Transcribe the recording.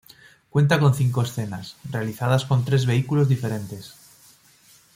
Cuenta con cinco escenas, realizadas con tres vehículos diferentes.